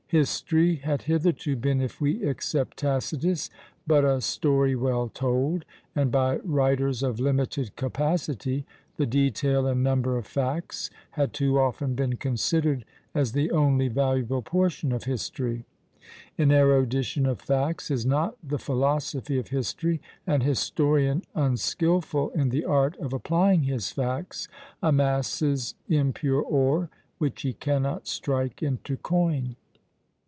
History had hitherto been, if we except Tacitus, but a story well told; and by writers of limited capacity, the detail and number of facts had too often been considered as the only valuable portion of history. An erudition of facts is not the philosophy of history; an historian unskilful in the art of applying his facts amasses impure ore, which he cannot strike into coin.